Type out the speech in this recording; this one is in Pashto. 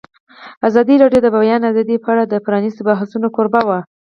ازادي راډیو د د بیان آزادي په اړه د پرانیستو بحثونو کوربه وه.